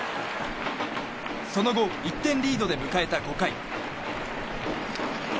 その後１点リードで迎えた５回。